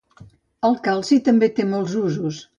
El calci també té molts usos.